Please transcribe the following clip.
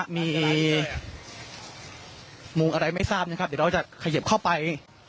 มีมุมอะไรไม่ทราบนะครับเดี๋ยวเราจะเขยิบเข้าไป